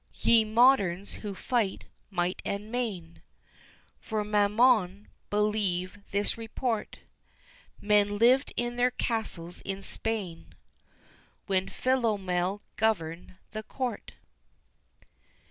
Ye moderns, who fight, might and main, For Mammon, believe this report, Men lived in their castles in Spain When Philomel governed the Court.